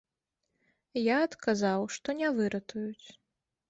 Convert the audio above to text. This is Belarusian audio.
Я адказаў, што не выратуюць.